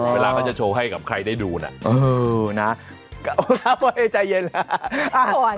เวลาน่ะก็จะโชว์ให้กับใครได้ดูน่ะว้าวเว้ยใจเย็นเรียบ